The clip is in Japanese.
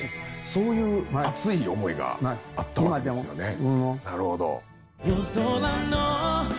そういう熱い思いがあったんですよね。